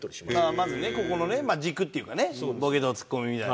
まずねここのね軸っていうかねボケとツッコミみたいな。